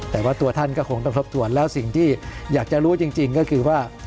แต่ว่าตัวท่านก็คงต้องทบทวนแล้วสิ่งที่อยากจะรู้จริงก็คือว่า